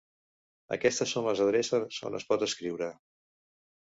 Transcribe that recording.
Aquestes són les adreces on es pot escriure.